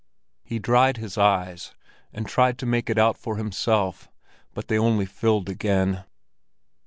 He dried his eyes, and tried to make it out for himself, but they only filled again.